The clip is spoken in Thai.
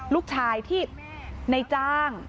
ลูกชายที่ในจ้าง